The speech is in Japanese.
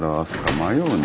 迷うな。